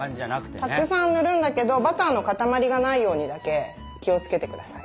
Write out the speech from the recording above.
たくさん塗るんだけどバターの塊がないようにだけ気をつけてください。